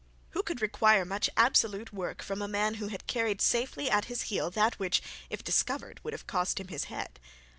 Who could require much absolute work from a man who had carried safely at his heel that which if discovered would have cost him his head?